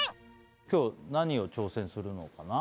今日何を挑戦するのかな？